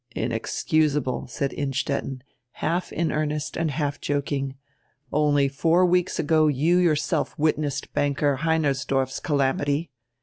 "Inexcusable," said Innstetten, half in earnest and half joking. "Only four weeks ago you yourself witnessed Banker Heinersdorf s calamity.